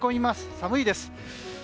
寒いです。